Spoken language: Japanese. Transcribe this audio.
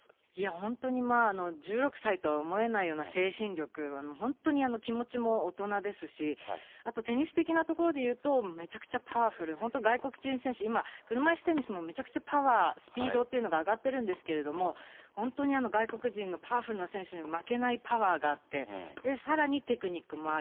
本当に１６歳とは思えないような精神力は、本当に気持ちも大人ですし、あとテニス的なところで言うと、めちゃくちゃパワフル、本当、外国人選手、今、車いすテニスもめちゃくちゃパワー、スピードっていうのが上がってるんですけれども、本当に外国人のパワフルな選手に負けないパワーがあって、さらにテクニックもある。